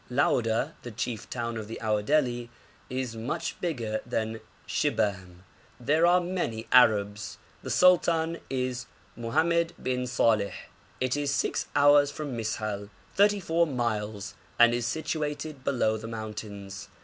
Lauda, the chief town of the Aòdeli, is much bigger than Shibahm; there are many Arabs. The sultan is Mohamed bin Saleh. It is six hours from Mis'hal thirty four miles and is situated below the mountains.